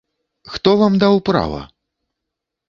Хто вам даў права?